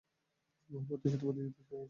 এই বহুল প্রত্যাশিত প্রতিযোগিতা শুরু হয়েছে।